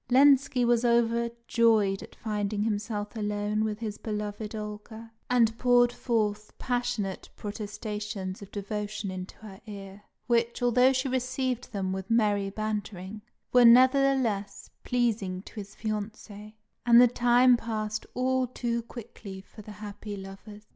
Lenski was overjoyed at finding himself alone with his beloved Olga, and poured forth passionate protestations of devotion into her ear, which, although she received them with merry bantering, were nevertheless pleasing to his fiancée; and the time passed all too quickly for the happy lovers.